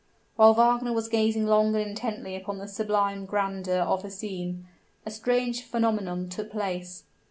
While Wagner was gazing long and intently upon the sublime grandeur of the scene, a strange phenomenon took place.